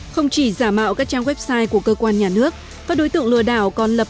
không chỉ giả mạo các trang website của cơ quan nhà nước các đối tượng lừa đảo còn lập